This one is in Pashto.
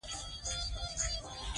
ده وویل چې کورنۍ یې ازاده ده.